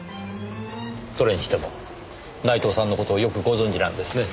それにしても内藤さんの事をよくご存じなんですね。